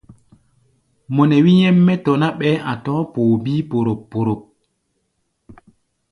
Mɔ nɛ wí nyɛ́m mɛ́ tɔ̧ ná, ɓɛɛ́ a̧ tɔ̧ɔ̧́ poo bíí póróp-póróp.